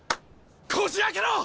こじあけろ！